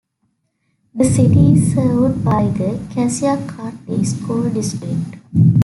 The city is served by the Cassia County School District.